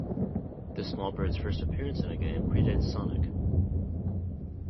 This small bird's first appearance in a game predates Sonic.